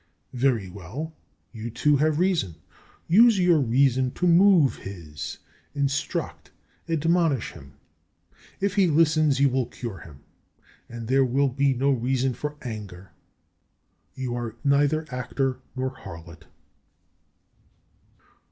Very well, you too have reason. Use your reason to move his; instruct, admonish him. If he listens, you will cure him, and there will be no reason for anger. You are neither actor nor harlot.